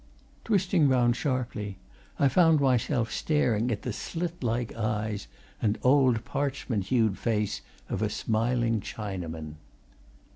Twisting round sharply, I found myself staring at the slit like eyes and old parchment hued face of a smiling Chinaman.